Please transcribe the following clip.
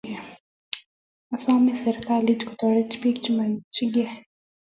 asome serikalit kotareti pik chemaimuchikei